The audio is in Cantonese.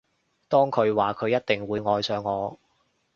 當佢話佢一定會愛上我